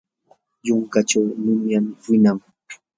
yunkachaw nunyam winan.